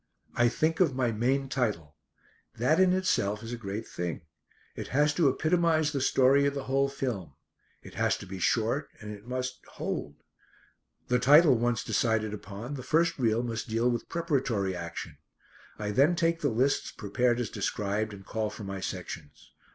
I think of my main title. That in itself is a great thing. It has to epitomise the story of the whole film. It has to be short and it must "hold." The title once decided upon, the first reel must deal with preparatory action. I then take the lists prepared as described and call for my sections.